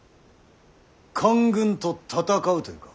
官軍と戦うと言うか。